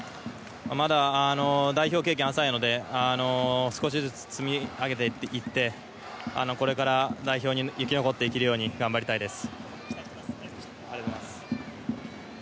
まだ代表経験が浅いので、少しずつ積み上げていって、これから代表に生き残っていけるように頑張りたいです。